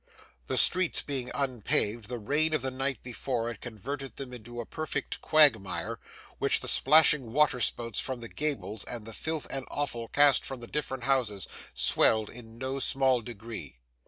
The streets being unpaved, the rain of the night before had converted them into a perfect quagmire, which the splashing water spouts from the gables, and the filth and offal cast from the different houses, swelled in no small degree.